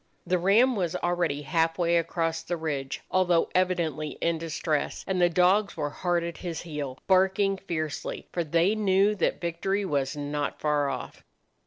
The ram was already half way across the ridge, although evidently in distress, and the dogs were hard at his heel, barking fiercely, for they knew that victory was not far off.